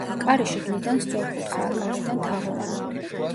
კარი შიგნიდან სწორკუთხაა, გარედან თაღოვანი.